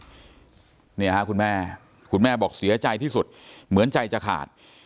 เนี่ยค่ะคุณแม่คุณแม่บอกเสียใจที่สุดเหมือนใจจะขาด